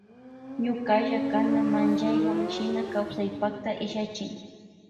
Ñukalla kana manllaywan shina kawsaypakta illachin.